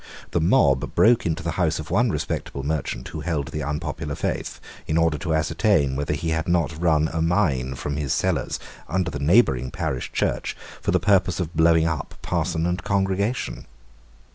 The mob broke into the house of one respectable merchant who held the unpopular faith, in order to ascertain whether he had not run a mine from his cellars under the neighbouring parish church, for the purpose of blowing up parson and congregation.